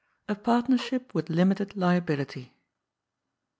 A PABTliTEBSHIP WITH LIMITBD LIABILITY.